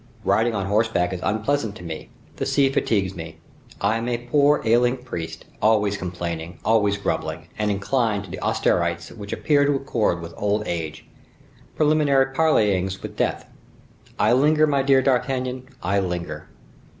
Riding on horseback is unpleasant to me; the sea fatigues me. I am a poor, ailing priest, always complaining, always grumbling, and inclined to the austerities which appear to accord with old age,—preliminary parleyings with death. I linger, my dear D'Artagnan, I linger."